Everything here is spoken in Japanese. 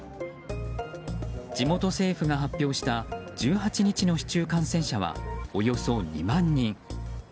地元政府が発表した１８日の市中感染者はおよそ２万人。